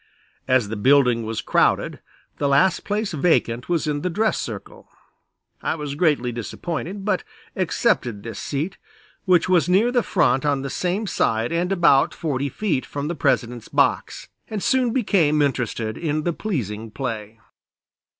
As the building was crowded the last place vacant was in the dress circle. I was greatly disappointed, but accepted this seat, which was near the front on the same side and about 40 feet from the President's box, and soon became interested in the pleasing play.